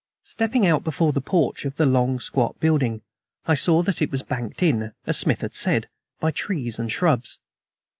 Stepping out before the porch of the long, squat building, I saw that it was banked in, as Smith had said, by trees and shrubs.